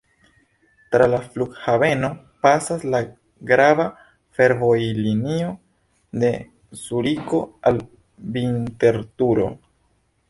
Tra la flughaveno pasas la grava fervojlinio de Zuriko al Vinterturo.